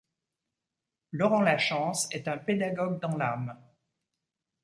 Laurent Lachance est un pédagogue dans l'âme.